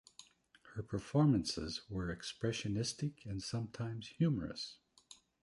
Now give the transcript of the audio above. Her performances were expressionistic and sometimes humorous.